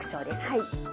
はい。